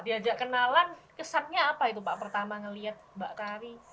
diajak kenalan kesannya apa itu pak pertama ngeliat mbak kari